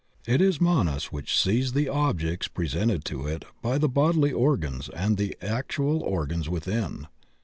It is Manas which sees the objects presented to it by the bodily organs and the actual organs within.